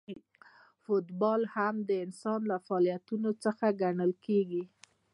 فوټبال هم د انسان له فعالیتونو څخه ګڼل کیږي.